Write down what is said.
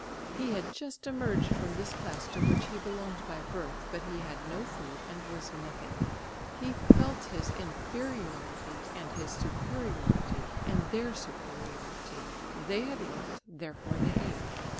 He had just emerged from this class to which he belonged by birth, but he had no food and was nothing. He felt his inferiority and his superiority; and their superiority. They had worked; therefore they ate.